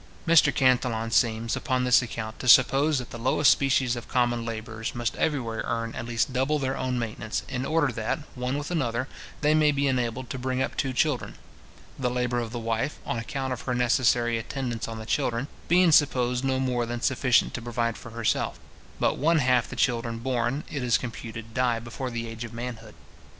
Mr Cantillon seems, upon this account, to suppose that the lowest species of common labourers must everywhere earn at least double their own maintenance, in order that, one with another, they may be enabled to bring up two children; the labour of the wife, on account of her necessary attendance on the children, being supposed no more than sufficient to provide for herself: But one half the children born, it is computed, die before the age of manhood.